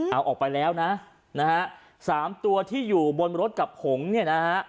เอาออกไปแล้วนะนะฮะสามตัวที่อยู่บนรถกับผงเนี่ยนะฮะ